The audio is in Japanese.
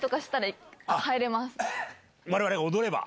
われわれが踊れば。